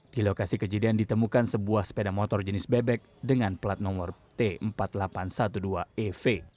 di lokasi kejadian ditemukan sebuah sepeda motor jenis bebek dengan plat nomor t empat ribu delapan ratus dua belas ev